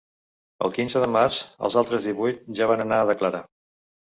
El quinze de març, els altres divuit ja van anar a declarar.